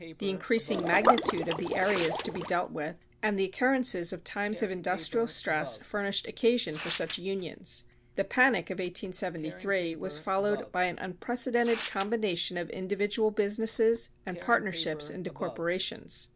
The increasing magnitude of the areas to be dealt with and the occurrences of times of industrial stress furnished occasion for such unions. The panic of 1873 was followed by an unprecedented combination of individual businesses and partnerships into corporations.